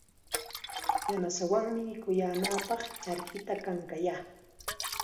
Yanasaawanmi mikuyaanapaq charkita kankayaa.